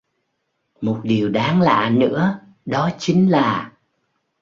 Một điều đáng lạ nữa đó chính là